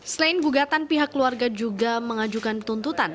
selain gugatan pihak keluarga juga mengajukan tuntutan